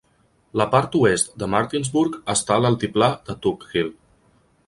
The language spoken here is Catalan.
La part oest de Martinsburg està a l'altiplà de Tug Hill.